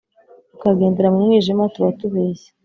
tukagendera mu mwijima, tuba tubeshye,